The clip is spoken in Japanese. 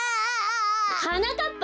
はなかっぱ！